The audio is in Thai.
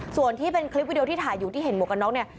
ส่วนที่เป็นคลิปวิดีโอที่ถ่ายอยู่ที่เห็นหมวกกันน็อกเนี่ย